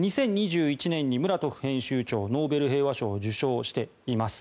２０２１年にムラトフ編集長がノーベル平和賞を受賞しています。